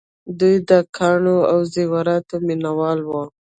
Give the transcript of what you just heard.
دوی د ګاڼو او زیوراتو مینه وال وو